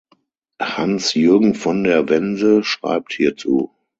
Hans Jürgen von der Wense schreibt hierzu.